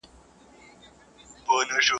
o نن به سي، سبا به سي؛ در بې کو پيدا به سي.